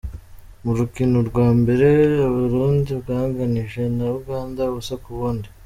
Mu rukino rwa mbere, Uburundi bwanganije na Uganda ubusa ku bundi.